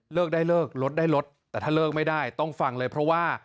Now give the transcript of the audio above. ได้เลิกลดได้ลดแต่ถ้าเลิกไม่ได้ต้องฟังเลยเพราะว่า